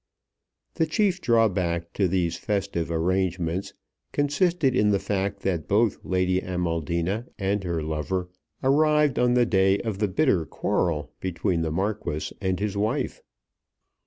The chief drawback to these festive arrangements consisted in the fact that both Lady Amaldina and her lover arrived on the day of the bitter quarrel between the Marquis and his wife.